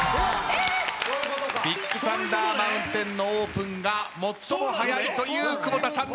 ビッグサンダー・マウンテンのオープンが最も早いという窪田さんの予想です。